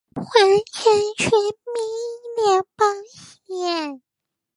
完成全民醫療保險